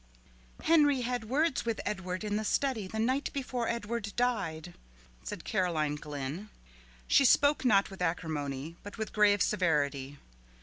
"Henry had words with Edward in the study the night before Edward died," said Caroline Glynn. She spoke not with acrimony, but with grave severity.